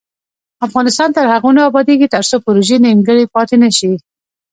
افغانستان تر هغو نه ابادیږي، ترڅو پروژې نیمګړې پاتې نشي.